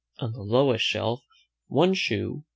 On the lowest shelf One shoe.